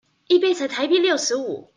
一杯才台幣六十五